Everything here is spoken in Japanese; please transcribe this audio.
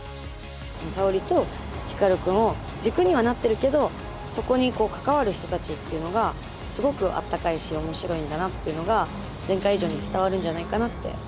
沙織と光くんを軸にはなってるけどそこに関わる人たちっていうのがすごくあったかいし面白いんだなっていうのが前回以上に伝わるんじゃないかなって思います。